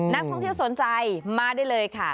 นักท่องเที่ยวสนใจมาได้เลยค่ะ